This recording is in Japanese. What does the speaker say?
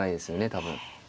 多分。